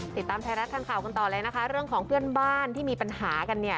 ติดตามไทยรัฐทางข่าวกันต่อเลยนะคะเรื่องของเพื่อนบ้านที่มีปัญหากันเนี่ย